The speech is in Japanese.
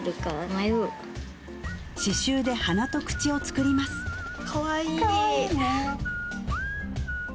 刺しゅうで鼻と口を作りますかわいい・かわいいね